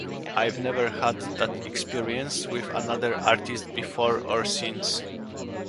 I've never had that experience with another artist before or since.